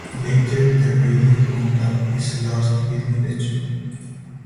Later the radio contact is lost between the two.